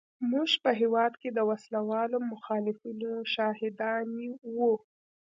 موږ په هېواد کې د وسله والو مخالفینو شاهدان وو.